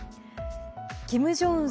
キム・ジョンウン